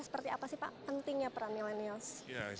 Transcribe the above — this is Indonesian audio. seperti apa sih pak pentingnya peran millennials